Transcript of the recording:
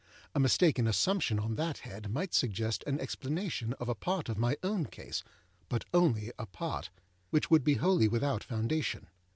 A mistaken assumption on that head might suggest an explanation of a part of my own case, âbut only a part, âwhich would be wholly without foundation.